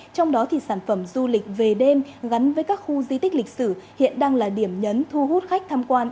trong đó sản phẩm du lịch về đêm gắn với các khu di tích lịch sử hiện đang là điểm nhấn thu hút khách tham quan